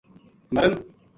مرن